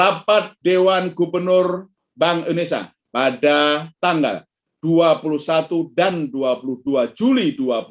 rapat dewan gubernur bank indonesia pada tanggal dua puluh satu dan dua puluh dua juli dua ribu dua puluh